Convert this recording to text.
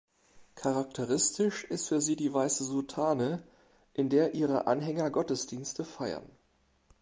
Charakteristisch ist für sie die weiße Soutane, in der ihre Anhänger Gottesdienste feiern.